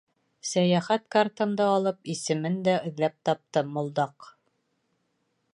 Сәйәхәт картамды алып, исемен дә эҙләп таптым: Мулдаҡ.